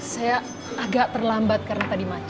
saya agak terlambat karena tadi macet